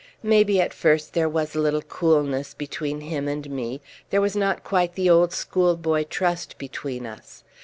Maybe at first there was a little coolness between him and me: there was not quite the old schoolboy trust between us.